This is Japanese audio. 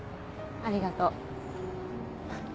ありがとう。